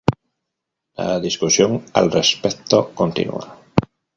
La discusión al respecto continúa.